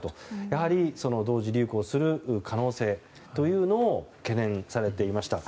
やはり同時流行する可能性というのを懸念されていました。